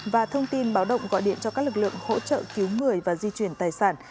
và thông tin báo động gọi điện cho các lực lượng hỗ trợ cứu người và di chuyển tài sản